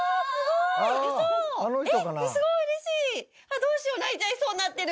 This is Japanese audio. どうしよう泣いちゃいそうになってる。